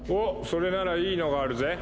それならいいのがあるぜ。